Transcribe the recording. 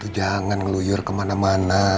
jangan ngeluyur kemana mana